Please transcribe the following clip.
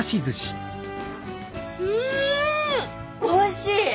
おいしい！